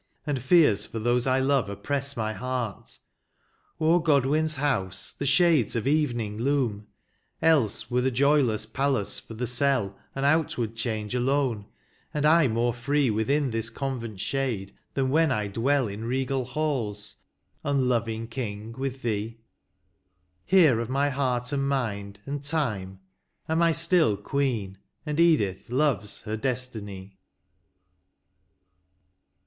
And fears for those I loye oppress my heart; O'er Godwin's house the shades of evening loom, Else were the joyless palace for the cell An outward change alone ; and I more free Within this convent shade, than when I dwell In regal halls, unloving King, with thee ; Here of my heart, and mind, and time, am I Still Queen, and Edith loves her destiny."